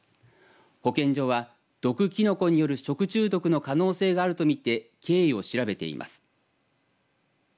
保健所は、毒きのこによる食中毒の可能性があると見て経緯を調べています。